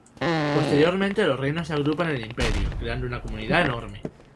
Posteriormente los reinos se agrupan en imperios, creando una comunidad enorme.